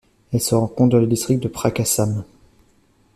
Elle se rencontre dans le district de Prakasam.